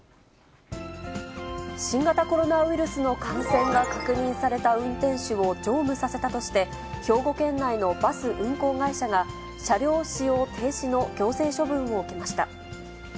新型コロナウイルスの感染が確認された運転手を乗務させたとして、兵庫県内のバス運行会社が、車両使用停止の行政処分を受けました。